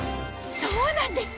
そうなんです